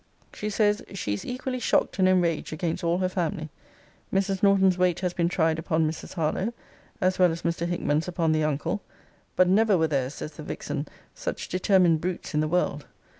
She says, 'she is equally shocked and enraged against all her family: Mrs. Norton's weight has been tried upon Mrs. Harlowe, as well as Mr. Hickman's upon the uncle: but never were there,' says the vixen, 'such determined brutes in the world.